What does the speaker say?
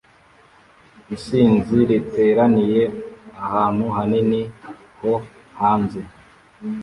Isinzi riteraniye ahantu hanini ho hanze